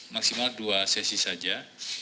maksimal dua sesi saja